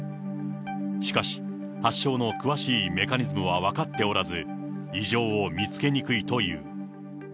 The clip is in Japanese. しかし、発症の詳しいメカニズムは分かっておらず、異常を見つけにくいという。